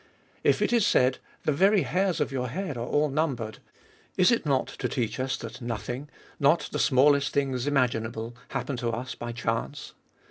If it is said, Ike very hairffofijourheadare all numbered, is it not to teach us, that nothing, not the smallest things ima ginable, happen to us by chance?